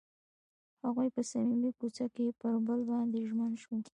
هغوی په صمیمي کوڅه کې پر بل باندې ژمن شول.